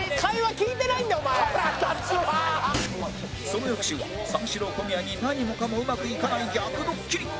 その翌週は三四郎小宮に何もかもうまくいかない逆ドッキリ